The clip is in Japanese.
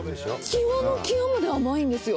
際の際まで甘いんですよ。